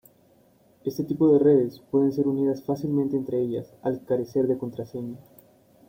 Este tipo de redes pueden ser unidas fácilmente entre ellas al carecer de contraseña.